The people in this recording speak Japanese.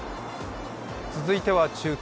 続いては中継